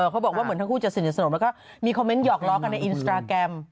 เขาบอกว่าเหมือนทั้งคู่จะสนิทสนมแล้วก็มีคอมเมนต์หอกล้อกันในอินสตราแกรม